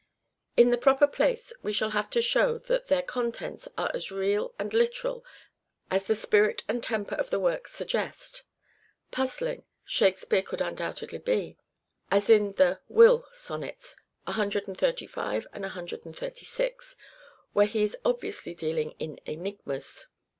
In the proper place we shall have to show that their contents are as real and literal as the spirit and temper of the works suggest. Puzzling, Shakespeare could undoubtedly be, as in the " Will " sonnets (135 and 136) where he is obviously dealing in enigmas.